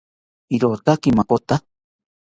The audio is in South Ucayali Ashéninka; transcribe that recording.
Irotaki makota